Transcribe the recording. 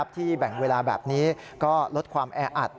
ที่แบ่งเวลาแบบนี้ก็ลดความแออัด